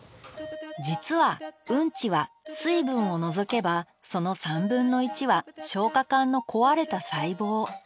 実はうんちは水分を除けばその３分の１は消化管の壊れた細胞。